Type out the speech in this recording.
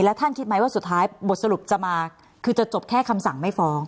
แล้วท่านคิดไหมว่าสุดท้ายบทสรุปจะมาคือจะจบแค่คำสั่งไม่ฟ้อง